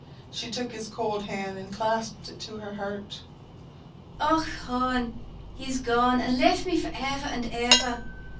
She took his cold hand, and clasped it to her heart. "Och hone! he is gone, and left me for ever and ever.